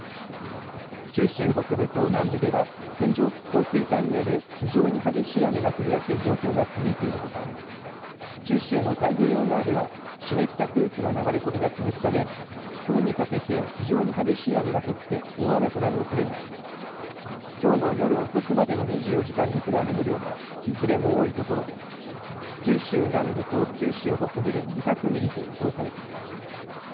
九州北部と南部では線状降水帯による非常に激しい雨が降りやすい状況が続いているほか九州の太平洋側では湿った空気の流れ込みが続くためきょうにかけて非常に激しい雨が降って大雨となるおそれがありきょうの夜遅くまでの２４時間に降る雨の量はいずれも多いところで九州南部と九州北部で２００ミリと予想されています。